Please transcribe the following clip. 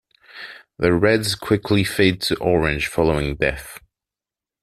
The reds quickly fade to orange following death.